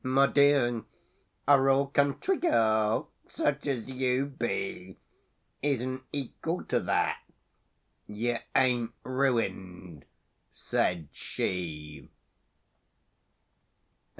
— "My dear—a raw country girl, such as you be, Isn't equal to that. You ain't ruined," said she.